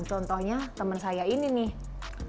contohnya teman saya ini nih